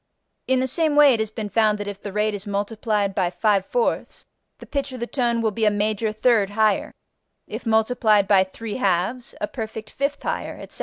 In the same way it has been found that if the rate is multiplied by 5/4 the pitch of the tone will be a major third higher; if multiplied by 3/2, a perfect fifth higher, etc.